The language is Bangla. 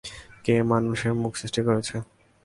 কে মানুষের মুখ সৃষ্টি করেছে?